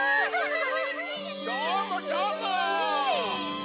どーもどーも！